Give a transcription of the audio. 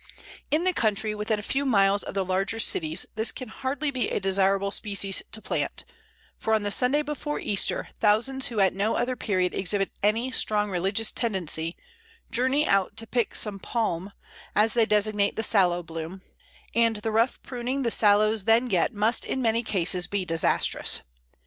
In the country, within a few miles of the larger cities, this can hardly be a desirable species to plant, for on the Sunday before Easter thousands who at no other period exhibit any strong religious tendency journey out to pick some "Palm," as they designate the Sallow bloom, and the rough pruning the Sallows then get must in many cases be disastrous.